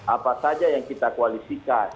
apa saja yang kita koalisikan